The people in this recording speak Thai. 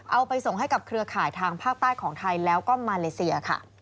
เอาไปส่งให้กับเครือข่ายทางภาคใต้ของไทยแล้วก็มาเลเซียค่ะ